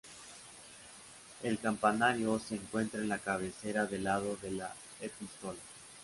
El campanario, se encuentra en la cabecera del lado de la epístola.